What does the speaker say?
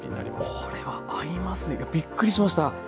これは合いますねびっくりしました。